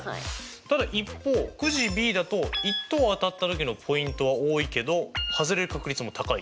ただ一方くじＢだと１等当たった時のポイントは多いけどはずれる確率も高いと。